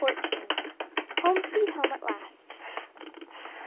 "HOME, SWEET HOME, AT LAST."